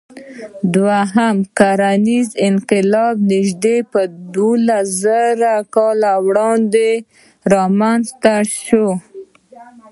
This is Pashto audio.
دوهیم کرنیز انقلاب نږدې دولسزره کاله وړاندې رامنځ ته شو.